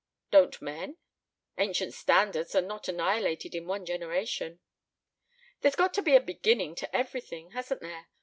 "Don't men?" "Ancient standards are not annihilated in one generation." "There's got to be a beginning to everything, hasn't there?